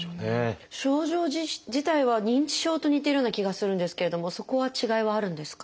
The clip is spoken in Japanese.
症状自体は認知症と似てるような気がするんですけれどもそこは違いはあるんですか？